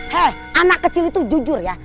hei anak kecil itu jujur ya